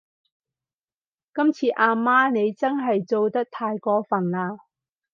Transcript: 今次阿媽你真係做得太過份喇